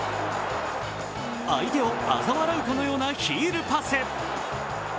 相手をあざ笑うかのようなヒールパス。